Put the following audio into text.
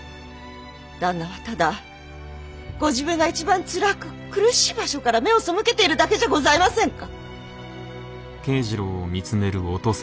旦那はただご自分が一番つらく苦しい場所から目をそむけているだけじゃございませんか。